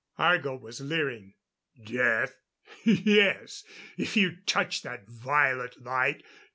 Argo was leering. "Death? Yes! If you touch that violet light!